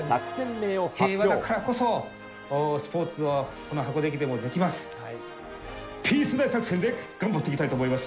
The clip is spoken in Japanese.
平和だからこそ、スポーツを、この箱根駅伝ができます。